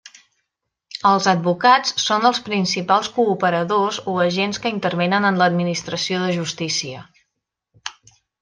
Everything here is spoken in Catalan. Els advocats són els principals cooperadors o agents que intervenen en l'administració de justícia.